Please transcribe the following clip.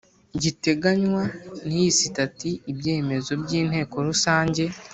giteganywa n iyi sitati ibyemezo by Inteko Rusange